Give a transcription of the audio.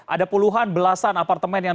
ada puluhan belasan apartemen yang